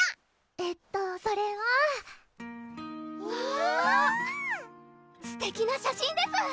えっとそれはわぁすてきな写真です